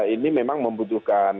ini memang membutuhkan